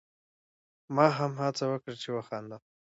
ما هم هڅه وکړه چې وخاندم.